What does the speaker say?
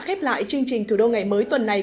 khép lại chương trình thủ đô ngày mới tuần này